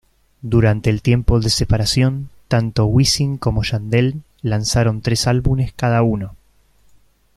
Durante el tiempo de separación, tanto Wisin como Yandel lanzaron tres álbumes cada uno.